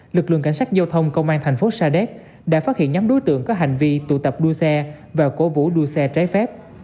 lực lượng cảnh sát giao thông công an thành phố sa đéc đã phát hiện nhóm đối tượng có hành vi tụ tập đua xe và cố vũ đua xe trái phép